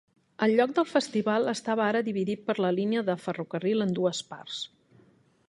El lloc del festival estava ara dividit per la línia de ferrocarril en dues parts.